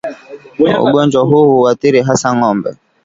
Ugonjwa huu huathiri hasa ng'ombe